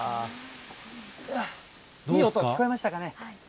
いい音、聞こえましたかね。